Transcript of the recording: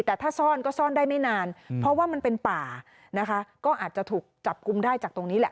แต่ถ้าซ่อนก็ซ่อนได้ไม่นานเพราะว่ามันเป็นป่านะคะก็อาจจะถูกจับกลุ่มได้จากตรงนี้แหละ